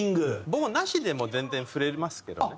棒なしでも全然振れますけどね。